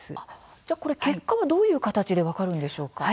じゃあ、結果はどういう形で分かるんでしょうか。